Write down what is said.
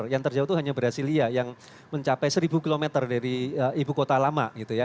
yang terjauh itu hanya brasilia yang mencapai seribu km dari ibu kota lama gitu ya